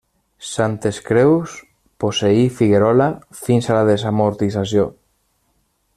Santes Creus posseí Figuerola fins a la desamortització.